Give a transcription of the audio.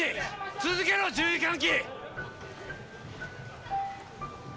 続けろ注意喚起！